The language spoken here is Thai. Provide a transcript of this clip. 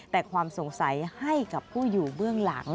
แต่ความสงสัยให้กับผู้อยู่เบื้องหลัง